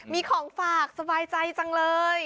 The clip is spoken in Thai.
มีของฝากสบายใจจังเลย